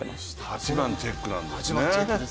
８番チェックなんですね。